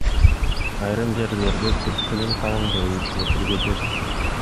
Айрым жерлерде күрткүнүн калыңдыгы үч метрге жетти.